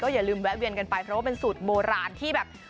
อย่าลืมแวะเวียนกันไปเพราะว่าเป็นสูตรโบราณที่แบบ